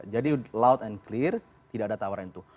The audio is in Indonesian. jadi loud and clear tidak ada tawaran itu